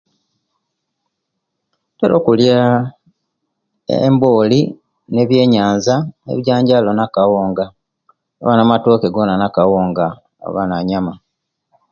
Ntera okuliya emboli, ne biyeyanza ne bijanjalo naka unga obwandi amatoke naka unga oba nanyama